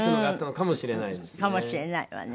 かもしれないわね。